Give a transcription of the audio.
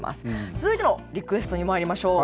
続いてのリクエストにまいりましょう。